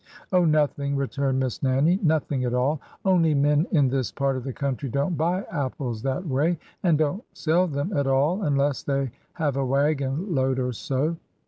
''Oh, nothing!" returned Miss Nannie; "nothing at all I Only men in this part of the country don't buy apples that way, and don't sell them at all unless they have a wagon load or so."